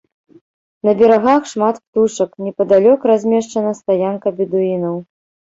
На берагах шмат птушак, непадалёк размешчана стаянка бедуінаў.